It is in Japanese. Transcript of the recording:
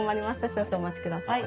少々お待ちください。